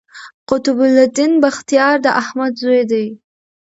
قطب الدین بختیار د احمد زوی دﺉ.